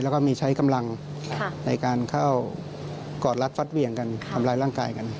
แล้วก็มีใช้กำลังในการเข้ากอดรัดฟัดเหวี่ยงกันทำร้ายร่างกายกัน